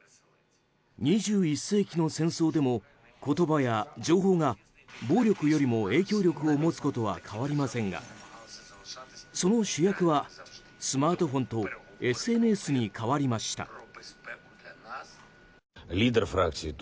２１世紀の戦争でも言葉や情報が暴力よりも影響力を持つことは変わりませんがその主役はスマートフォンとＳＮＳに変わりました。